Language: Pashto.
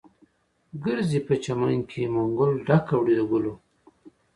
ګرځې په چمن کې، منګول ډکه وړې د ګلو